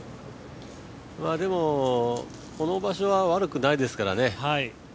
でもこの場所は悪くないですからね。